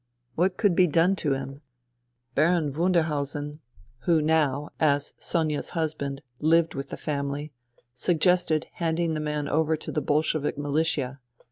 What could be done to him ? Baron Wunder 102 FUTILITY hausen, who now, as Sonia's husband, Hved with the family, suggested handing the man over to the Bolshevik militia.